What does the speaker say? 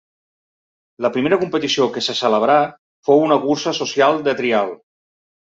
La primera competició que se celebrà fou una cursa social de trial.